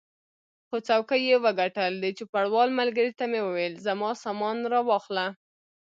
خو څوکۍ یې وګټل، د چوپړوال ملګري ته مې وویل زما سامان را واخله.